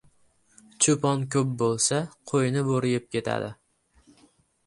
• Cho‘pon ko‘p bo‘lsa, qo‘yni bo‘ri yeb ketadi.